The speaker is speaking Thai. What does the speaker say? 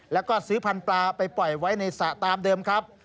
แล้วก็ซื้อพันธุปลาไปปล่อยไว้ในสระตามเดิมครับ